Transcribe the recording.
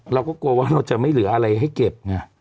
เราก็กลัวว่าเราจะไม่เหลืออะไรให้เก็บไง